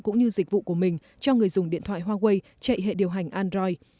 cũng như dịch vụ của mình cho người dùng điện thoại huawei chạy hệ điều hành android